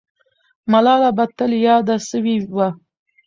ملاله به تل یاده سوې وه.